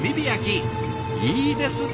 いいですね！